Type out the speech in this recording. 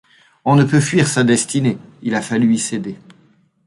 On ne peut fuir sa destinée ; il a fallu y céder.